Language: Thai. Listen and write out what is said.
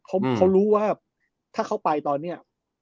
เขารู้ว่าถ้าเขาไปตอนนี้